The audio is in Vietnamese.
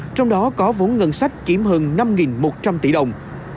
trong đó có vốn ngân sách chiếm hơn năm một trăm linh tỷ đồng